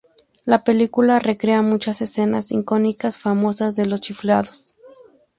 La película recrea muchas escenas icónicas famosas de los chiflados.